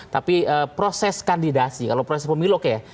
tapi proses kandidasi kalau proses pemilu oke ya